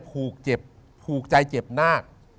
ผูกเจ็บผูกใจเจ็บหน้า